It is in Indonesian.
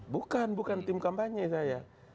bukan bukan tim kampanye saya